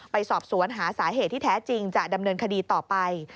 ไปสอบสวนหาสาเหตุที่แท้จริงจะดำเนินคดีต่อไป